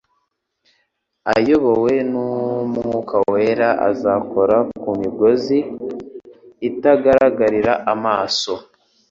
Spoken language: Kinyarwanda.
ayobowe n'Umwuka wera azakora ku migozi itagaragarira amaso